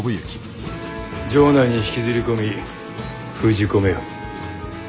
城内に引きずり込み封じ込めよ。